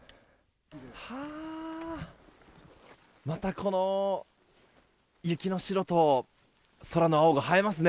この雪の白と空の青が映えますね。